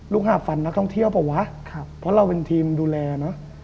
หาบฟันนักท่องเที่ยวเปล่าวะเพราะเราเป็นทีมดูแลเนอะ